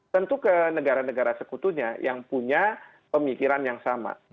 tentu ke negara negara sekutunya yang punya pemikiran yang sama